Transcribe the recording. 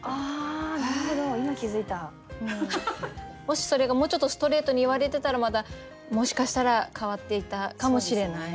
もしそれがもうちょっとストレートに言われてたらまたもしかしたら変わっていたかもしれない。